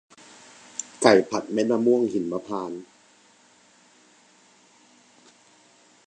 ไก่ผัดเม็ดมะม่วงหิมพานต์